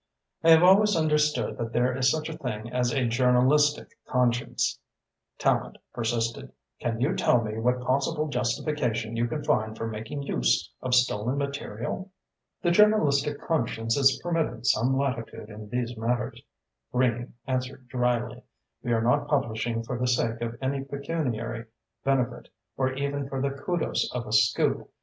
"I have always understood that there is such a thing as a journalistic conscience," Tallente persisted. "Can you tell me what possible justification you can find for making use of stolen material?" "The journalistic conscience is permitted some latitude in these matters," Greening answered drily. "We are not publishing for the sake of any pecuniary benefit or even for the kudos of a scoop.